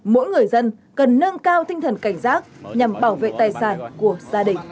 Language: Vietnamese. mỗi người dân cần nâng cao tinh thần cảnh giác nhằm bảo vệ tài sản của gia đình